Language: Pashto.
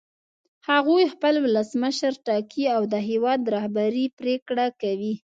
هغوی خپل ولسمشر ټاکي او د هېواد رهبري پرېکړه کوي.